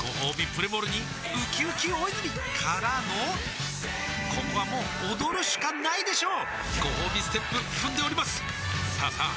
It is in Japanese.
プレモルにうきうき大泉からのここはもう踊るしかないでしょうごほうびステップ踏んでおりますさあさあ